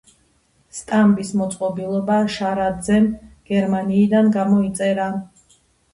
სტამბის მოწყობილობა შარაძემ გერმანიიდან გამოიწერა.